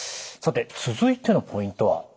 さて続いてのポイントは？